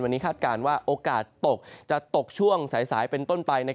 วันนี้คาดการณ์ว่าโอกาสตกจะตกช่วงสายเป็นต้นไป